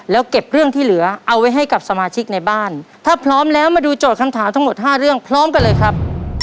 แล้วเก็บเรื่องที่เหลือเอาไว้ให้กับสมาชิกในบ้านถ้าพร้อมแล้วมาดูโจทย์คำถามทั้งหมดห้าเรื่องพร้อมกันเลยครับ